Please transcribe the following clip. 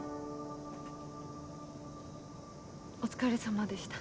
お疲れさまでした。